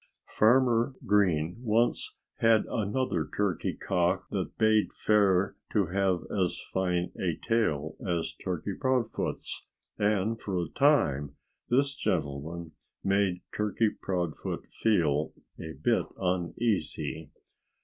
Farmer Green once had another turkey cock that bade fair to have as fine a tail as Turkey Proudfoot's. And for a time this gentleman made Turkey Proudfoot feel a bit uneasy.